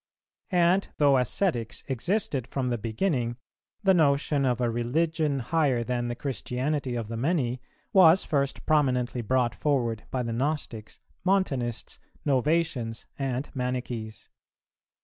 And, though ascetics existed from the beginning, the notion of a religion higher than the Christianity of the many, was first prominently brought forward by the Gnostics, Montanists, Novatians, and Manichees.